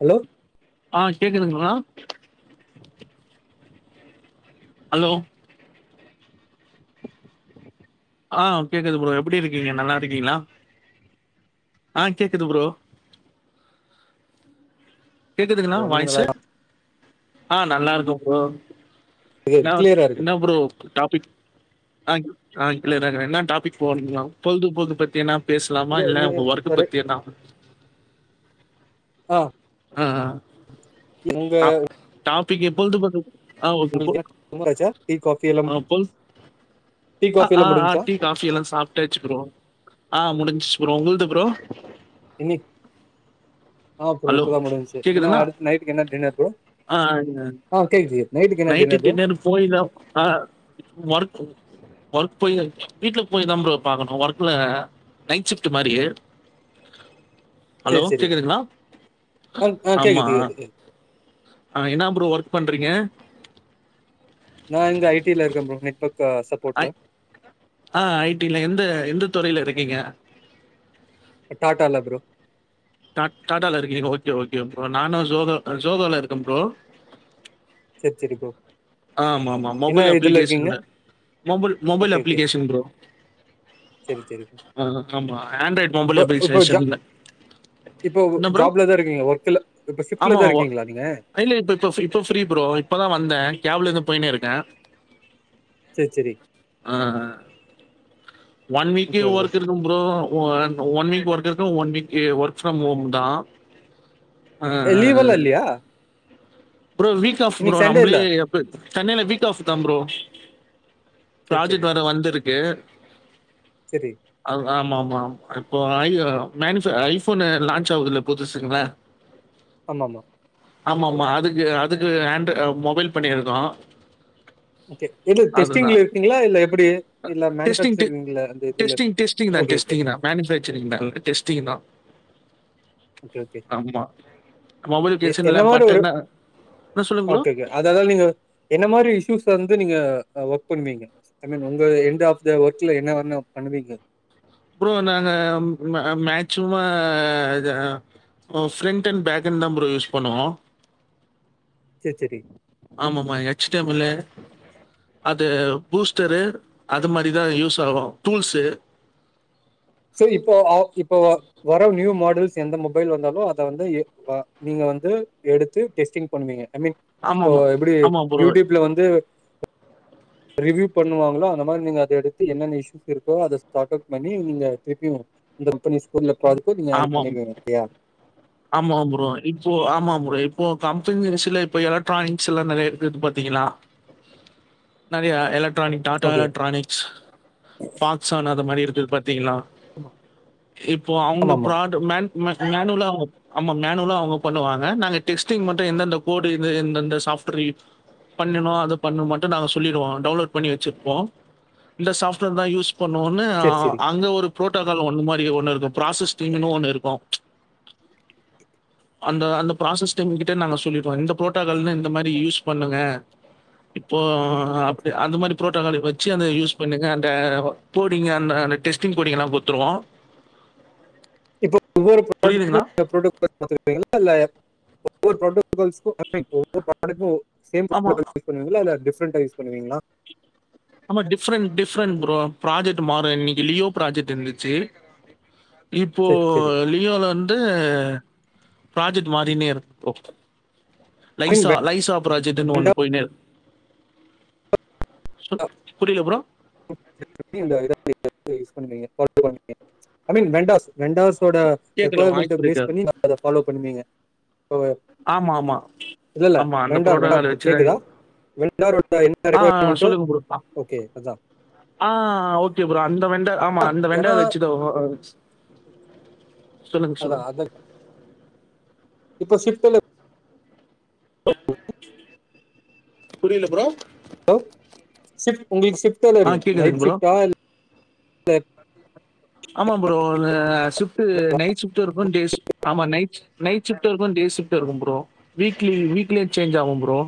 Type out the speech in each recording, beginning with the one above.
Hello ஆ கேக்குதுங்களா? Hello ஆ கேக்குது ப்ரோ எப்டி இருக்கீங்க? நல்லா இருக்கீங்களா? ஆ கேக்குது ப்ரோ. கேக்குதுங்கன்னா ப்ரோ நீங்க நல்லா வாய்ஸு ஆ நல்லாருக்க ப்ரோ நா கிளியரா இருக்கு என்ன ப்ரோ டாபிக் அங் ஆ க்ளியரா இருக்றே என்ன டாபிக் போடுங்ளாம் பொல்துபோக்கு பத்தியன்னாம் பேஸ்லாமா இது நீ இல்ல உங்க ஒர்க்கு ஒரு பத்தி என்னாவ் ஆ ஆ ஆ ஆ உங்க டாப் டாப்பிக்க எப்போள்து கொட்டு ஆ ஓகேப்பு உங்களுக்கு ஆச்சா டீ காஃபி எல்லாம் ஆ பொல்ஸ் டீ காஃபி அஆ எல்லாம் ஆ முடிஞ்ச்சா டி தாஃபி எல்லா சாப்ட்டாச்சு ப்ரோ ஆ முடின்ச்சு ப்ரோ உங்கள்து ப்ரோ இனி ஆ ப்ரோ ஹலோ இப்பதான் முடின்சசு என்ன கேக்குதுங்களா அடுத் நைட்டிக்கு என்ன டின்னர் ப்ரோ ஆ கேக்கிதே நைட்டு டின்னரு பூயிதாவ் ஆ வர்க்கு வர்க் போயய் வீட்ல போய் தான் ப்ரோ பாக்கணு வர்க்ல நைட் ஷிஃப்ட் மாரியர் செர் செரி கேக்குதுங்களா? அம் ஆ ஆமா. கேக்குத்து எதுக்குன் ஆ என்னா ப்ரோ ஒர்க் பண்றீங்க நா இந்த ஐடில இருக்க ப்ரோ நெட்பக்க சப்போட்ல ஐ ஆ ஐடில எந்த எந்த துறைய்ல இருக்கீங்க அ டாட்டால ப்ரோ டாட் டாட்டால இருக்கீங்க ஓகே ஓகே ப்ரோ நானு ஜோலோ அ ஜோகோல இருக்கன் ப்ரோ ச்செர் ச்செரி ப்ரோ ஆமாமா என்ன மொபெல் இதுல இருக்கீங்க அப்ளிகேஷன்ல mobile mobile okay okay application bro சேரி சேரி ப்ரோ ஆ ஆமா ஆண்ட்ராய்ட் மொபைல் இப்போ இப்போ ஜா அப்ரிஷேஷன்ல இப்போ ஜாப்லதா இருக்கீங்க ஒர்க்ல இப்ப சிஃப்ட்ல ஆமா. தா ஒ இருக்கீங்ளா நீங்க இல்ல இப்ப இப்ப ஃபி இப்ப ஃப்ரீ ப்ரோ இப்பதா வந்தே கேப்லுந்து போய்னே இருக்கே சேரி சேரி ஆஆ வன் வீக் ஓகே ப்ரோ ஒர்க்குர் இதும் ப்ரோ ஒ அன் ஒன் வீக் ஒர்க் இருக்கு ஒன் வீக்கி ஒர்க் ஃப்ரம் ஹோம் தா எ லீவுல்லா இல்யா bro week off bro Sunday நம்ப்லே இல்ல ஏப்பு சென்னைய்ல வீக் ஆஃப் தா ப்ரோ சேரி சேரி ப்ராஜெக்ட் வேற வந்துருக்கு சரி அவ் ஆமாமாம் இப்போ ஐஅராம் மானுஃப அ ஐஃபோனு லான்ச் ஆவ்துல்ல புதுசுங்க்ல ஆமம்மா ஆமம்மா அதுக்கு அதுக்கு ஆன்ட்டு ஆ மொபைல் பண்ணிர்ந்தோ ஓகே இல்ல டெஸ்ட்டிங்ல இருக்கீங்ளா இல்ல எப்படி இல்ல மேனுஃபாக்சரிங்ல அந்த இதுல இஷ்ட்டிங்லா ஓகே ஓகே டெஸ்டிங்னா மேனுஃபாக்சரிங் நல் டெஸ்டிங் தா ஓகே ஓகே ஆமா மொபைல்க்கேசன்லா பட்டன்னா ஓகேங்க அததால் நீங்க என்ன மாரி இஷ்ஸ்லந்து நீங்க அ ஒர்க் பண்வீங்க கண்ண நுங்கு எண்ட் ஆஃப் த ஒர்க்ல என்னவர்னு பண்ணுவீங்க ப்ரோ நாங்கம் மே மேட்ச்சுமா இது ஆ ஓ ஃப்ரண்ட் அண் பேக் அண் தா ப்ரோ யூஸ் பண்ணுவோ கே ச்சரி ஆமாமா எச் டம்முல்லு அது பூஸ்டரு அது மாரி தா யூஸ் ஆஹொ டூல்ஸு செரி இப்போ அவ் இப்போ வர ந்யூ மாடல்ஸ் எந்த மொபைல் வந்தாலு அத வந்து எப் லா நீங்க வந்து எடுத்து டெஸ்டிங் பண்ணுவீங்க ஐ மீன் போ ஆமாமா. இப்புடி ஆமா ப்ரோ. யூட்யூப்ல வந்து ரிவியூ பண்ணுவாங்களோ அந்த மாரி நீங்க அத எடுத்து என்னென்ன இஷயூஸ் இருக்கோ அத ஸ்டார்ட்ப் பண்ணி நீங்க திருப்பியு இந்த கம்பனி ஸ்கூர்ல பாதுக்கோ நீங்க ஆட் ஆமாம். பண்ணிருங்கத்தையா ஆமா ப்ரோ இப்போ ஆமாம் ப்ரோ இப்போ கம்பெனி வசுல இப்போ எலக்ட்ரானிக்ஸ் எல்லா நெறைய இருக்குது பாத்தீங்களா [inaudible] நெறைய electronic Tata okay electronics Foxconn அது மாரி இருக்குது பாத்தீங்களா இப்போ அவங்க ஆமாமா ப்ராடு மேன் மே மேனுலா ஆமா மேனுவலா அவங்க பண்ணுவாங்க நாங்க டெஸ்ட்டிங் மட்டு எந்தெந்த கோடு எந்தந்த சாப்ட்வேர் பண்ணனு அது பண்ணும் மட்டு நா சொல்லிடுவோ டவுன்லோட் பண்ணி வச்சிருப்போ இந்த சாப்ட்வேர் தா யூஸ் பொண்ணு ஒண்ணு அ செரி செரி அங்க ஒரு பு்ரோட்டோக்கால் ஒன்னு மாரி ஒன்னு இருக்கு ப்ராசஸ் டீம்ன்னு ஒண்ணு இருக்கு [inaudible] அந்த அந்த ப்ராசஸ் டீம் கிட்டே நாங்க சொல்லிடுவோ இந்த பு்ரோட்டோக்கால்னு இந்த மாரி யூஸ் பண்ணுங்க இப்போ ஓகே அப்டி அந்த மாரி புரோட்டோக்கால வச்சு அந்த யூஸ் பண்ணுங்க அந்த போடிங் அந்த அந்த டெஸ்டிங் போடிங்லா குடுத்துருவோ இப்ப ஒவ்வொ புரியுதுங்களா? ப்ரோ [inaudible] [unintelligible] இல்லல்ல ஒவ்வொரு ப்றோட்டோ கால்ஸ்க்கு ஒவ்வொரு ஆளுக்கு சேம் [inaudible] ஆமா. பண்ணுவீங்கள இல்ல டிஃப்ரண்டா யூஸ் பண்ணுவீங்களா ஆமா டிஃரண்ட் டிஃப்ரெண்ட் ப்ரோ ப்ராஜெக்ட் மாறு இன்னைக்கு லியோ ப்ராஜெக்ட் இருந்துச்சு இப்போ செரி செரி லி யோல வந்து ப்ராஜெக்ட் மாரினே இருக்கு ஐ மீன் லைசா வெண்டாஸ் லைசா ப்ராஜக்ன்னு ஒண்ணு போய்னே சொ கபுரியல ப்ரோ [inaudible] இத யூஸ் பண்ணுவீங்கோ பண்ணுவ ஐ மீன் வெண்டாஸ் வெண்டாஸ்சோட கேட்கல வாய்ஸ் ரெக்யர்மெண்ட்ட புரியல பேஸ் பண்ணி அத ஃபாலோ பண்ணுவீங்க ஆமா ஆமா இல்லல்ல ஆமா அந்த வெண்டார் வெண்டா ப்ரோட்டோகால் வச்சு தான் கேக்குதா இது. வெ வெண்டாரோடா எந்த ஆ ரெக்கொயர்மெண்ட்டு சொல்லுங்க ப்ரோ ஓகே அதா ஆ ஓகே ப்ரோ அந்த வெண்டார் ஆமா ஆ, அந்த ஏன்னா வெண்டர் வச்சுதா அ ஆ [unintelligible] அதா அத இப்போ ஷிப்டுல்ப் [inaudible] புரியல ப்ரோ ஹலோ உங்களுக்கு ஷிப்ட்தா ஆ தெரியு கேக்குதுங்க நைட் ப்ரோ ஷிப்ட்டா [inaudible] ஆமா ப்ரோ ஆ ஷிப்ட்டு நைட் ஷிப்ட்டு இருக்கும் டேஸ் ஆமா நைட் நைட் ஷிப்ட்டு இருக்கு டேஷிப்ட்டு இருக்கு ப்ரோ வீக்லி வீக்லியு சேஞ்ச் ஆகு ப்ரோ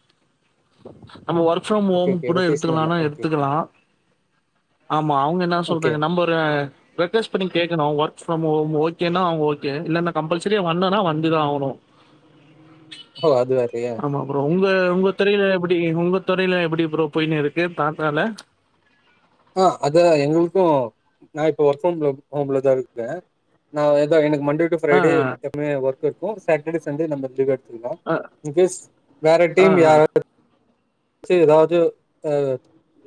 [inaudible] நம்ம work from okay home okay கூட ரொட்டேஷனல்ல எடுத்துக்கலாம்னா ஓகே ஓகே எடுத்துக்கலா ஆமா அவங்க என்னா ஓகே சொல்றங்க நம்ம ஒரு ரிக்வெஸ்ட் பண்ணி கேக்கணு ஒர்க்ஃப்ரம் ஹோம் ஓகேன்னா அவங்க ஓகே இல்லன்னா கம்பல்சரி வந்துனா வந்துதா ஆகனு அது வேறயா ஆமா ப்ரோ உங்க உங்க துறையில எப்டி உங்க துறையில எப்படி ப்ரோ போயினு இருக்கு தாத்தால ஆ அத எங்களுக்கு நா இப்ப ஒர்க் ஃபரம் ஹோம் ஹோம்ல தா இருக்கே நா ஏதா எனக்கு மண்டே டு ஆ, ஃரைடே ஆ, எப்பவுமே ஒர்க் இருக்கு சாட்டர்டே சண்டே நம்ம [unintelligible] இன்கேஸ் வேற டீம் ஆ, யாராவது செ ஏதாவது அ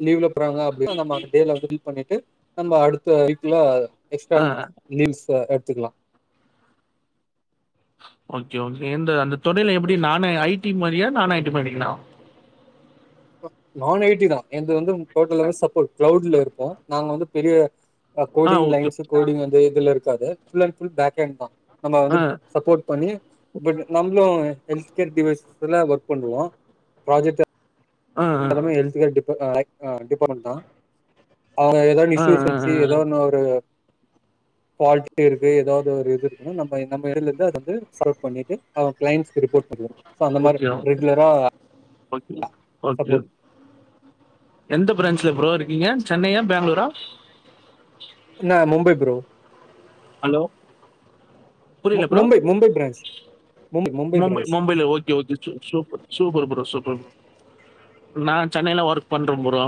லீவ்ல போறாங்க அப்படின்னா நம்ம அந்த டேல வந்து பில் பண்ணிட்டு நம்ம அடுத்த வீக்ல எக்ஸ்ட்ரா ஆ. ரீல்ஸ் எடுத்துக்கலா ஓகே ஓகே எந்த அந்த தொழில் எப்படி நானு ஐ டி மாரியா நான் ஐ டி மாறீங்களா நான் ஐ டி தா எது வந்து டோட்டலாவே சப்போட் க்ளவுட்ல இருக்கு நாங்க வந்து பெரிய ஆ கோடிங் ஓகே. லைன்ஸ் கோடிங் வந்து இதுல இருக்காது ஃபுல் அண்ட் ஃபுல் பேக்கண்ட் தா நம்ம வந்து ஆ. சப்போட் பண்ணி பட் நம்ளு ஹெல்த் கேர் டிவைஸ் ஒர்க் பண்ணுவோ ப்ராஜெக்ட் ஆ ஆ எல்லாமே ஹெல்த் ஹேர் டிபா டிபார்ட்மெண்ட் தா அவ ஏதாது ஆ இஷ்யூஸ் ஆ வன்ச்சு ஆ ஏதோ ஒன்ன ஒரு ஃபால்ட் இருக்கு ஏதாவது ஒரு இது இருக்குன்னு நம்ம நம்ம இடல இருந்து அத வந்து சால்வ் பண்ணிட்டு அவ கிளைண்ட்ஸ்கு ரிப்போட் பண்ணுவோ ஓகே ஓகே ஓகே சப்போர்ட் எந்த பிரான்ஞ்சுல ப்ரோ இருக்கீங்க சென்னையா பேங்ளூரா நா மும்பை ப்ரோ ஹலோ புரில ப்ரோ மும்பை மும்பை பிரான்ச் மும்பை மும்பைல ஓக் ஓகே ஓகே சூ சூப் சூப்பர் ப்ரோ சூப்பர் ப்ரோ நான் சென்னைல ஒர்க் பண்ற ப்ரோ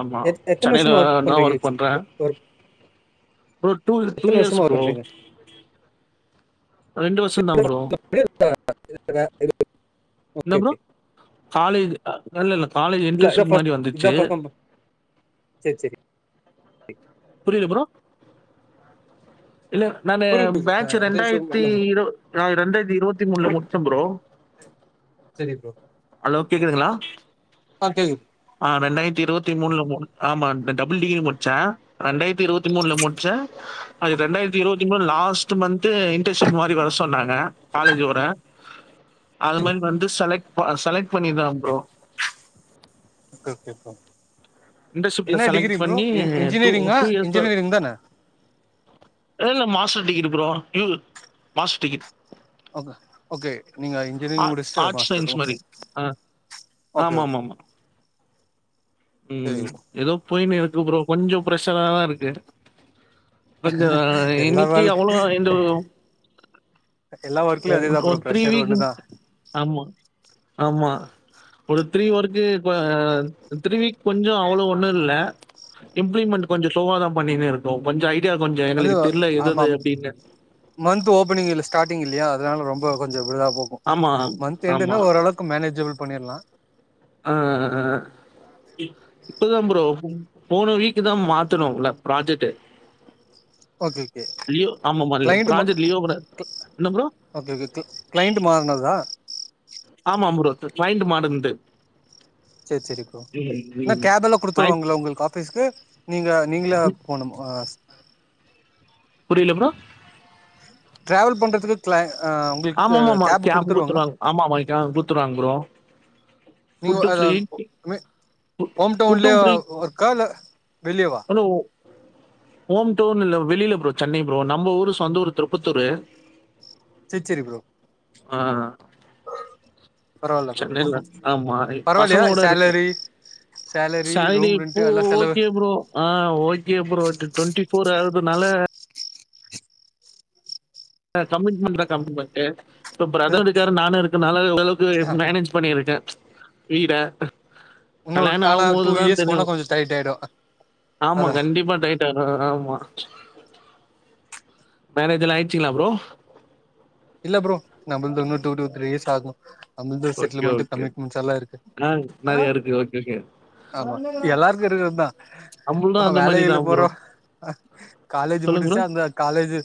ஆமா எத் எத்தன சென்னையில வருஷமா தா பண்றீங்க ஒர்க் எக்ஸ் பண்ற ஒர்க் ப்ரோ டூ டூ எத்தன இயர்ஸு வருஷமா ஒர்க் ப்ரோ பண்றீங்க ரெண்டு வருஷந்தா ப்ரோ [unintelligible] என்ன ஓகே ப்ரோ ஓகே காலேஜ் இல்ல இல்ல காலேஜ் இன்ட்ரசூப் மாரி வந்துச்சு செரி செரி [inaudible] புரியல ப்ரோ இல்ல நானு புரியுது ஆ, பேச்சு இந்த சு- ரெண்டாயிரத்தி இல்ல, இந்த- இரு ரெண்டாயிரத்தி இருவத்தி மூன்ல முடிச்ச ப்ரோ சரி ப்ரோ ஹலோ கேக்குதுங்களா ஆ கேக்குது ஆ ரெண்டாயிரத்தி இருத்தி மூனுல முடி ஆமா டபுள் டிகிரி முடிச்ச ரெண்டாயிரத்தி இருவத்தி மூனுல முட்ச்ச அது ரெண்டாயிரத்தி இருபத்தி மூனு லாஸ்ட் மந்த் இன்டன்ஷிப் மாரி வர சொன்னாங்க காலேஜ் வர அது சரி, மாரி வந்து செலக்ட் செலக்ட் பண்ணிதா ப்ரோ கே கே ப்ரோ இன்டர்ன்ஷிப்ல என்ன செலக்ட் டிகிரி ப்ரோ பண்ணி இன்ஜினியரிங்கா இயர்ஸ் இன்ஜினியரிங் தான இல்லல்ல மாஸ்டர் டிகிரி ப்ரோ யூ மாஸ் டிகிரி ஓக் ஓகே நீங்க ஆ இன்ஜினியரிங் முடிச்சுட்டு ஆர்ட்ஸ் மாஸ்டர் சயன்ஸ் ஓகே மாரி. ஆ ஓகே ஓகே ஆமாமாமா. சரி ம் ஏதோ போயினு இருக்கு ப்ரோ கொஞ்ச ப்ரஷராதா இருக்கு கொஞ்ச எல்லா இன்னிக்கு வேலைக்கு அவ்ளவா எந்து எல்லா ஒர்க்லயும் அதே தான் ப்ரோ ஒரு த்ரீ ப்ரெஷர் வீக் ஒன்று தான் ஆமா ஆமா ஒரு த்ரீ ஒர்கு த்ரீ வீக் கொஞ்ச அவ்ளோ ஒன்னு இல்ல இம்ப்ளிமெண்ட் கொஞ்ச ஸ்லோவா தா பண்ணினு இருக் கொஞ்ச ஐடியா கொஞ்ச அது எங்களுக்கு தெரில ஆமா எதது அப்டினு மந்த் ஓப்பனிங் இல்ல ஸ்டார்டிங் இல்லையா அதனால ரொம்ப கொஞ்ச இதுவா போகு ஆமா, மந்த் ஆமா. என்டுனா ஓரளவுக் கு மேனேஜபிள் பண்ணிர்லா ஆ இப்பதா ப்ரோ போன வீக்குதா மாத்துனோ ல ப்ராஜெக்டு ஓகே ஓகே ஆமாமா க்ளைண்ட் ம ப்ராஜெக்ட் லியோ கூட க் என்ன ப்ரோ? ஓகே ஓகே கிளண்ட் மாருனதா ஆமா ப்ரோ கிளைன்டு மறுந்து சரி சரி ப்ரோ என்ன ம். கேப் எல்லா கிளையண்ட் குடுத்துருவாங்ள உங்களுக்கு ஆப் பீஸ்க்கு நீங்க நீங்களே போணுமா புரில ப்ரோ டிராவல் பண்றதுக்கு கிளா ஆ உங்களுக்கு ஆமாஆமாஆமா கேப் குடுத்துருவாங்களா குடுத்துருவாங்க ஆமா ஆமா குத்துருவாங்க ப்ரோ நீங்க ஓ ஃபுட் அதா ஃப்ரீ. ஹோம்டவுன்லே ஃபுட்டும் ஃப்ரீ. ஒர்க்கா இல்ல வெளியவா ஹலோ ஹோம் டவுன் இல்ல வெளில ப்ரோ சென்னை ப்ரோ நம்ம ஊரு சொந்த ஊரு திருப்பத்தூரு செர் செரி ப்ரோ ஆஹ் பரவால்ல ப்ரோ சென்னைல ஆமா பரவால்லையா பசங்களோட இருக்க சேலரி சேலரி சரி ரூம் ரெண்ட் ப்ரோ எல்லா செலவு ஓகே ப்ரோ ஆஹ் ஓகே ப்ரோ டுவெண்ட்டி ஃபோர் ஆர்துனால கமிட்மெண்ட் தா கமிட்மெண்ட்டு இப்போ பிரதர் இருக்காரு நானு ஓரளவுக்கு மேனேஜ் பண்ணியிருக்கே வீட இன்னு கல்யாணம் ஆனா ஆவும்போது டூ தா இயர்ஸ் போனா தெரியும் கொஞ்சோ டைட் ஆயிடு ஆமா அதா கண்டிப்பா டைட் ஹ ஆமா மேரேஜ் எல்லா ஆயிச்சுங்லா ப்ரோ இல்ல ப்ரோ நம்புள்து இன்னு டூ டூ த்ரீ இயர்ஸ் ஆகு அ ஓகே செட்டில்மெண்டு ஓகே கமிட்மென்ட்ஸ் எல்லா இருக்கு ஆ நிறைய இருக்கு ஓகே ஓகே ஆமா எல்லாருக்கு இருக்கர்து தா நம்மளும் அந்த மாதிரி வேலையில்ல தான் ப்ரோ போறோ காலேஜ் சொல்லுங்க முடிச்ச ப்ரோ அந்த காலேஜு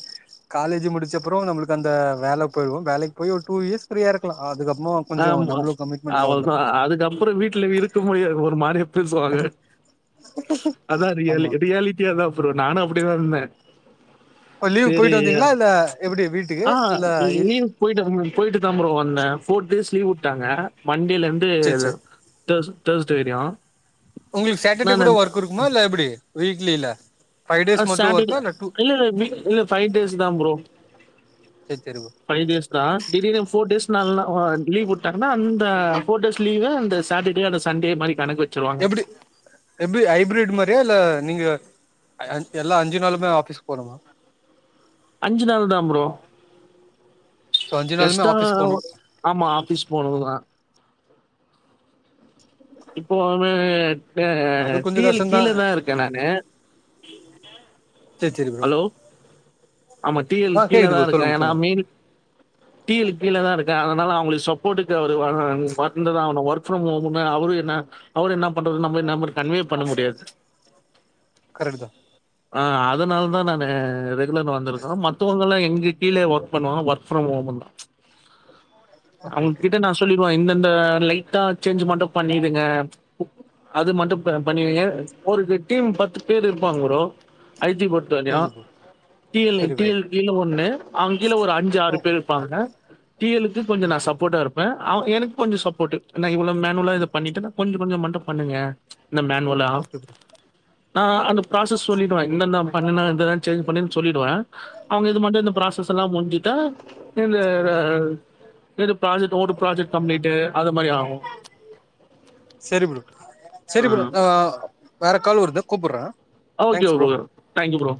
காலேஜ் முடிச்ச அப்றோ நம்ளுக்கு அந்த வேல போயிடுவோ வேலைக்கு போய் ஒரு டூ யேர்ஸ் ஃப்ரீயா இருக்கலா அதுக்கப்மா கொஞ்சோ நம்ளு கொ அவ்ளதா அதுக்கப்றோ வீட்ல இருக்க முடியாது ஒரு மாதிரியா பேசுவாங்க அதா ரியாலி ஆமா ரியாலிட்டியாதா ப்ரோ நானு அப்டிதா இருந்த இப்ப லீவ் போயிட்டு வந்தீங்ளா இல்ல எப்டி வீட்டுக்கு ஆ இல்ல லீவ் போயிட்டு போயிட்டுதா ப்ரோ வந்த ஃபோர் டேஸ் லீவ் வுட்டாங்க மண்டேலந்து சேரி சேரி டேஸ் டேஸ்டே வெரியு உங்ளுக்கு சாட்டர்டே கூட ஒர்க் இருக்குமா இல்ல எப்டி வீக்லில ஃபைவ் டேஸ் அஹ் மட்டு சேட்டர்டே ஒர்க்கா இல்ல டூ இல்லல்ல வீ இல்ல பை டேஸ் தா ப்ரோ சேரி சேரி பைவ் டேஸ் தா திடீர்னு போர் டேஸ் நாள்னா லீவ் விட்டாங்கன்னா அந்த போர் டேஸ் லீவா அந்த சட்டர்டே அந்த சண்டே மாரி கணக்கு வெச் எப்புடி எப்டி ஹைப்ரேட் மாரியா இல்ல நீங்க எல்லா அஞ்சு நாளுமே ஆஃபீஸ்க்கு போனுமா அஞ்சு நாள் தா ப்ரோ சோ அஞ்சு நாளுமே எஸ்டா ஆஃபீஸ் போனு ஆமா ஆபீஸ் போனு வா இப்போ னு அது கொஞ்சோ டி எல் கஷ்டந்தா கீழ தா இருக்க நானு சேரி சேரி ப்ரோ ஹலோ ஆமா டி எல் ஆ கீழ கேக்குது தா ப்ரோ இருக்க சொல்லுங்க ஏனா சொல்லுங்க மெய்னு டி எல் கீழ தா இருக்கே அதனால அவ்ங்களுக்கு சப்போர்ட்டுக்கு அவரு வந்துதா ஆவணு ஒர்க் ஃப்ரம் ஹோம்ன்னு அவரு இன்னா பண்றது நம்ம இன்னா பண்ற கன்வே பண்ண முடியாது கரெக்டு தா ஆ அதனால தா நானு ரெகுலர்ல வந்திருக்க மத்தவங்கள்லா எங்ளு கீழயே ஒர்க் பண்ணுவாங்க ஒர்க் ஃப்ரம் ஹோம் ஓகே அவ்ங்க ஓகே கிட்ட நா சொல்லிருவா இந்தந்த லைட்டா சேஞ்ச்சு மட்டு பண்ணிடுங்க அது மட்டு பண்ணீ வைங்க ஒரு டீம் பத்து பேர் இருப்பாங்க ப்ரோ ஐ டி தனியா சரி ப்ரோ டீ எல் சரி ப்ரோ கீழ ஒண்ணு அவுங்க கீழ ஒரு அஞ்சு ஆறு ஓ பேர் இருபாங்க டி எல் க்கு கொஞ்ச நா ஓகே சப்போடா இருப் ப எனக்கு கொஞ்சோ சப்போட்டு நா இவ்ளன மேனூலா இது பண்ணிட்டு கொஞ்ச கொஞ்ச மட்டு பண்ணுங்க இந்த மேனுவுல ஓகே ப்ரோ நா அந்த ப்ராசஸ் சொல்லிடுவ இந்தந்த பண்ணுணா இத சேஞ்ச் பண்னு சொல்லிடுவ அவங்க இது மட்டு இந்த ப்ராசஸ் எல்லா முஞ்சிட்ட இந்த இந்த ப்ராஜெக்ட் ஒரு ப்ராஜெக்ட் கம்ப்ளீட்டு அத மாரி ஆகு செரி ப்ரோ செரி ப்ரோ நா வேற கால் வருது கூப்பர்ற ஓகே ப்ரோ தேங்க்யூ ப்ரோ